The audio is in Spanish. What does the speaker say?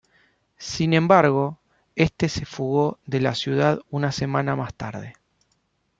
Sin embargo, este se fugó de la ciudad una semana más tarde.